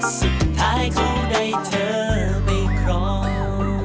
สุดท้ายเขาได้เธอไปครอง